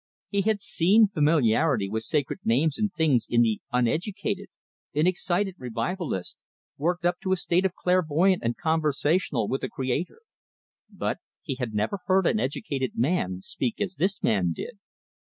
He had seen familiarity with sacred names and things in the uneducated, in excited revivalists, worked up to a state clairvoyant and conversational with the Creator; but he had never heard an educated man speak as this man did.